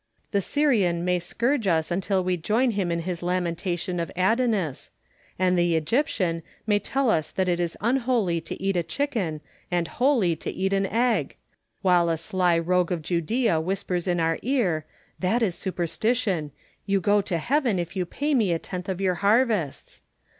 The Syrian may scourge us until we join him in his lamentation of Adonis ; and the Egyptian may tell us that it is unholy to eat a chicken, and holy to eat an egg ; while a sly rogue of Judsea whispers in our ear, " That is superstition ; you go to heaven if you pay mc a tenth of your harvests."